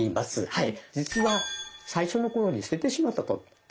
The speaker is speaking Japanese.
はい。